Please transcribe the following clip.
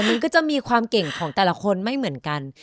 มันก็จะมีความเก่งของแต่ละคนไม่เหมือนกัน